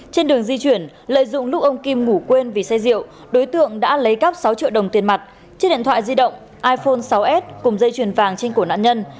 trên đường di chuyển lợi dụng lúc ông kim ngủ quên vì say rượu đối tượng đã lấy cắp sáu triệu đồng tiền mặt chiếc điện thoại di động iphone sáu s cùng dây chuyền vàng trên cổ nạn nhân